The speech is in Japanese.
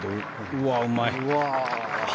うわあ、うまい。